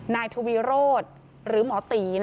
นายทวีโรธหรือหมอตี